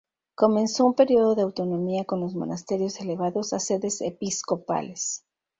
Comenzó un período de autonomía con los monasterios elevados a sedes episcopales.